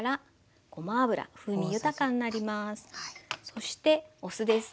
そしてお酢です。